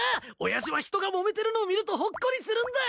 親父は人がもめてるのを見るとホッコリするんだ！